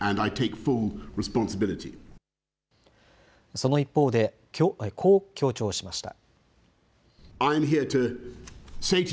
その一方でこう強調しました。